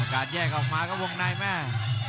การแยกออกมาครับวงในแม่